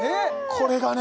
これがね